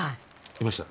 いました？